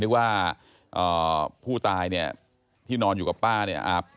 ว่าผู้ตายเนี่ยที่นอนอยู่กับป้าเนี่ยอาบ